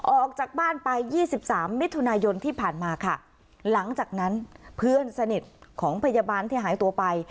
ออกจากบ้านไปยี่สิบสามมิถุนายนที่ผ่านมาค่ะหลังจากนั้นเพื่อนสนิทของพยาบาลที่หายตัวไป